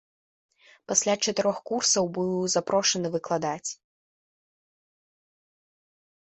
Пасля чатырох курсаў быў запрошаны выкладаць.